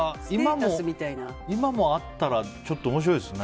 今もあったらちょっと面白いですね。